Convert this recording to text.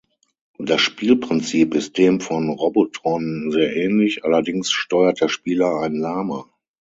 Das Spielprinzip ist dem von Robotron sehr ähnlich, allerdings steuert der Spieler ein Lama.